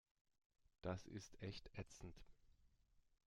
Das ist echt ätzend.